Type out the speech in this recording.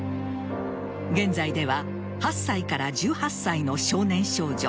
現在では８歳から１８歳の少年少女